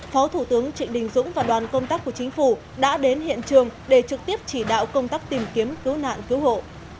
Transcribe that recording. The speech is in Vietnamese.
phó thủ tướng trịnh đình dũng và đoàn công tác của chính phủ đã đến hiện trường để trực tiếp chỉ đạo công tác tìm kiếm cứu nạn cứu hộ